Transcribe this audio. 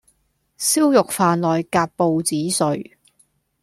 燒肉飯內夾報紙碎